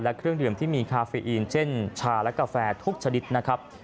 และเครื่องดื่มที่มีคาเฟอีนเช่นชาและกาแฟทุกชนิดนะครับ